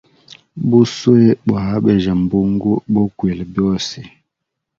Buswe bwa abejya mbungu bokwila byose.